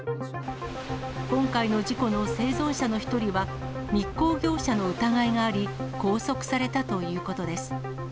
今回の事故の生存者の１人は、密航業者の疑いがあり、拘束されたということです。